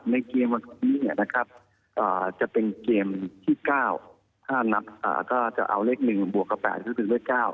ในเกมวันนี้จะเป็นเกมที่๙๕นัดถ้าจะเอาเลข๑บวกกับ๘ก็คือเลข๙